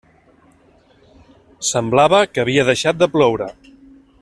Semblava que havia deixat de ploure.